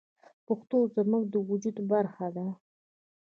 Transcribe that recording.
پښتو زموږ د وجود برخه ده.